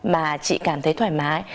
mà chị cảm thấy thoải mái